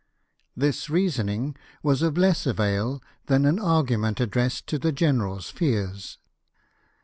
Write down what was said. This reasoning was of less avail than an argu ment addressed to the general's fears.